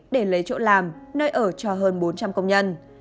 để lấy chỗ làm nơi ở cho hơn bốn trăm linh công nhân